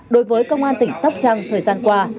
đối với công an tỉnh sóc trăng thời gian qua